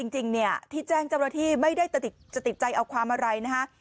จริงเนี่ยที่แจ้งเจ้าหน้าที่ไม่ได้จะติดใจเอาความอะไรนะฮะ